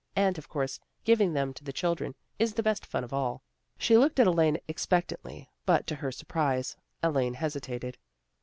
And of course giving them to the children is the best fun of all." She looked at Elaine expectantly, but, to her surprise, Elaine hesitated.